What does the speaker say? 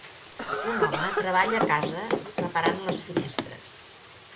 Un home treballa a casa reparant les finestres.